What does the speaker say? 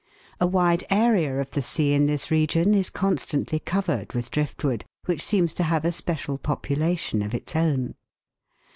A wide area of the sea in this region is constantly covered with drift wood, which seems to have a special population of its own.